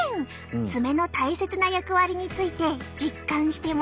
爪の大切な役割について実感してもらうよ。